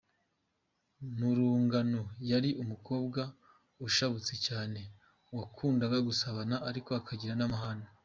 Mu rungano yari umukobwa ushabutse cyane wakundaga gusabana ariko akagira n’amahane.